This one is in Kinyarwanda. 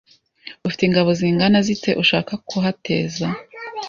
Ufite ingabo zingana zite ushaka kuhateza